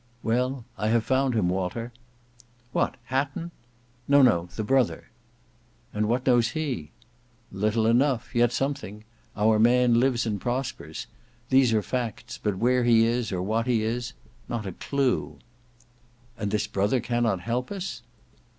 "Well I have found him, Walter." "What, Hatton?" "No, no; the brother." "And what knows he?" "Little enough; yet something. Our man lives and prospers; these are facts, but where he is, or what he is—not a clue." "And this brother cannot help us?"